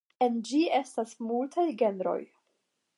En ĝi estas multaj genroj.